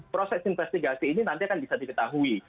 proses investigasi ini nanti akan bisa diketahui